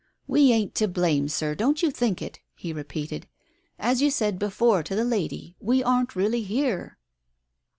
"We ain't to blame, Sir, don't you think it! " he repeated. "As you said before to the lady, we aren't really here